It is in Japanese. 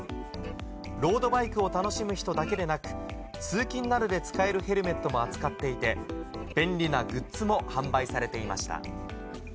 ロードバイクを楽しむ人だけでなく、通勤などで使えるヘルメットも扱っていて、便利なグッズも販売されていました。